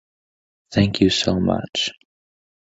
Thank you so much.